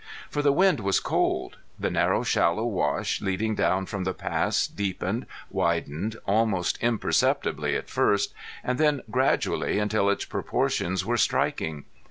For the wind was cold. The narrow shallow wash leading down from the pass deepened, widened, almost imperceptibly at first, and then gradually until its proportions were striking.